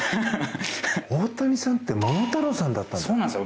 大谷さんって桃太郎さんだったんですね。